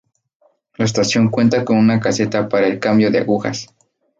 La estación cuenta con una caseta para el cambio de agujas.